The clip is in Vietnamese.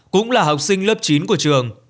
cũng là học sinh lớp chín của trường